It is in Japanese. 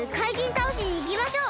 たおしにいきましょう！